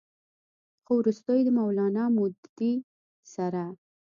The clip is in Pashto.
خو وروستو د مولانا مودودي سره